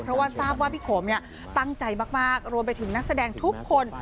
เพราะว่าทราบว่าพี่โขมตั้งใจมากรวมไปถึงนักแสดงทุกคน